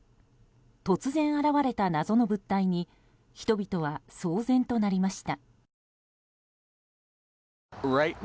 突然、現れた謎の物体に人々は騒然となりました。